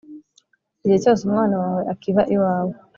Igihe cyose umwana wawe akiba iwawe